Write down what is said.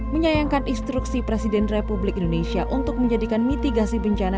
menyayangkan instruksi presiden republik indonesia untuk menjadikan mitigasi bencana